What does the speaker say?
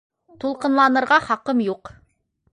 Тулҡынланырға хаҡым юҡ.